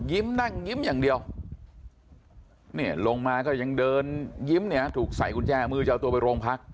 นั่งยิ้มอย่างเดียวเนี่ยลงมาก็ยังเดินยิ้มเนี่ยถูกใส่กุญแจมือจะเอาตัวไปโรงพัก